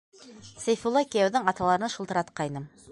Сәйфулла кейәүҙең аталарына шылтыратҡайным.